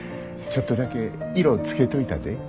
ちょっとだけ色つけといたで。